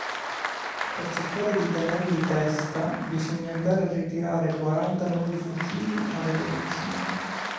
Per cercare di tenerli testa, bisogna andare a ritirare quaranta nuovi fucili a ripetizione.